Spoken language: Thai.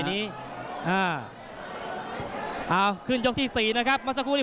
มีเกี่ยวร่างด้วย